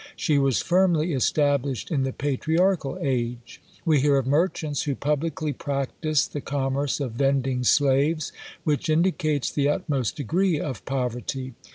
She was firmly established in the patriarchal age. We hear of merchants who publicly practised the commerce of vending slaves, which indicates the utmost degree of poverty.